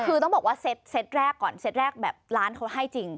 คือต้องบอกว่าเซตแรกก่อนเซตแรกแบบร้านเขาให้จริง